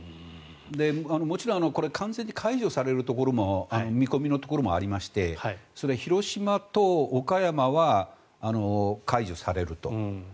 もちろんこれは完全に解除される見込みのところもありまして広島と岡山は解除されると。